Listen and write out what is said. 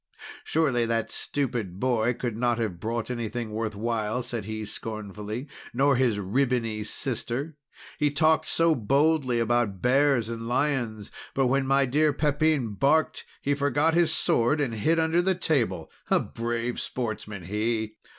"Surely that stupid boy could not have brought anything worth while," said he scornfully, "nor his ribbony sister! He talked so boldly about bears and lions, but when my dear Pepin barked, he forgot his sword and hid under the table! A brave sportsman he!"